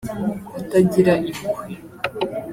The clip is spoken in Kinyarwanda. kutagira impuhwe